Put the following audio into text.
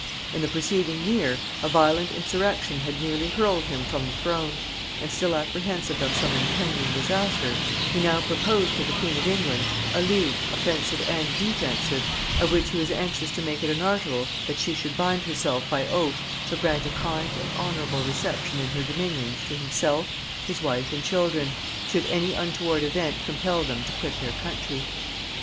In the preceding year, a violent insurrection had nearly hurled him from the throne; and still apprehensive of some impending disaster, he now proposed to the queen of England a league offensive and defensive, of which he was anxious to make it an article, that she should bind herself by oath to grant a kind and honorable reception in her dominions to himself, his wife and children, should any untoward event compel them to quit their country.